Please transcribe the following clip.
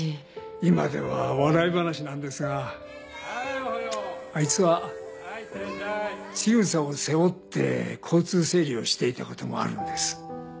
今では笑い話なんですがあいつは千草を背負って交通整理をしていたこともあるんです。